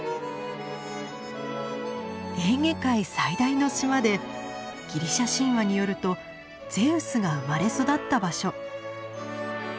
エーゲ海最大の島でギリシャ神話によるとゼウスが生まれ育った場所。